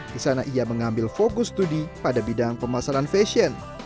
di sana ia mengambil fokus studi pada bidang pemasaran fashion